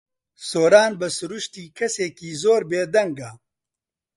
سۆران بە سروشتی کەسێکی زۆر بێدەنگە.